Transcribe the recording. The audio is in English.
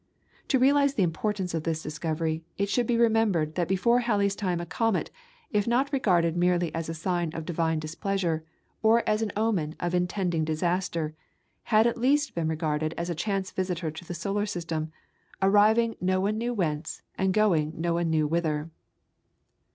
To realise the importance of this discovery, it should be remembered that before Halley's time a comet, if not regarded merely as a sign of divine displeasure, or as an omen of intending disaster, had at least been regarded as a chance visitor to the solar system, arriving no one knew whence, and going no one knew whither.